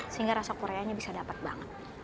sehingga rasa koreanya bisa dapat banget